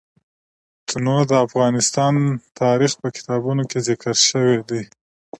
تنوع د افغان تاریخ په کتابونو کې ذکر شوی دي.